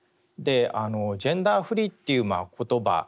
「ジェンダーフリー」っていう言葉